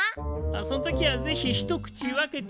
その時はぜひ一口分けてちょ。